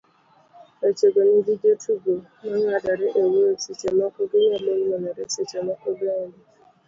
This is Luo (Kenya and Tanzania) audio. wechego nigi jotugo mang'adore e wuoyo, seche moko ginyalo wuonore, seche moko bende